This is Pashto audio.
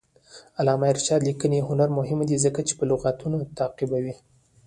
د علامه رشاد لیکنی هنر مهم دی ځکه چې لغتونه تعقیبوي.